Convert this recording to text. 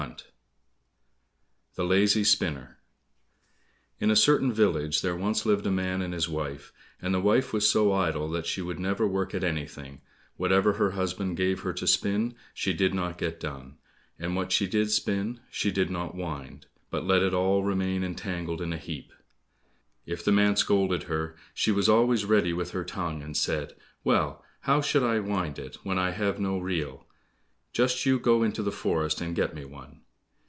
128 The Lazy Spinner In a certain village there once lived a man and his wife, and the wife was so idle that she would never work at anything; whatever her husband gave her to spin, she did not get done, and what she did spin she did not wind, but let it all remain entangled in a heap. If the man scolded her, she was always ready with her tongue, and said, "Well, how should I wind it, when I have no reel? Just you go into the forest and get me one."